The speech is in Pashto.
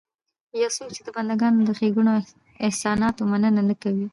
يو څوک چې د بنده ګانو د ښېګړو او احساناتو مننه نه کوي